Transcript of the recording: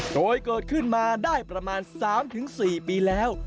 โดยเกิดขึ้นมาได้ประมาณ๓๔ปีแล้ว